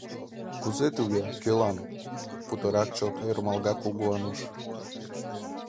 — Кузе-туге кӧлан? — путырак чот ӧрмалга Кугу Ануш.